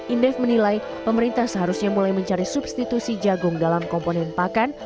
indef menilai pemerintah seharusnya mulai mencari substitusi jagung dalam komponen pakan